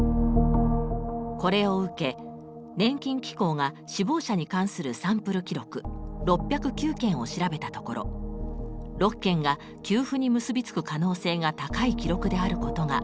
これを受け年金機構が死亡者に関するサンプル記録６０９件を調べたところ６件が給付に結びつく可能性が高い記録であることが判明しました。